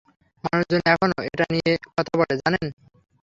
মানুষজন এখনো এটা নিয়ে কথা বলে, জানেন?